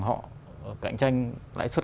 họ cạnh tranh lãi suất